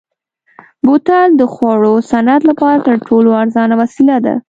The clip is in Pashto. بوتل د خوړو صنعت لپاره تر ټولو ارزانه وسیله ده.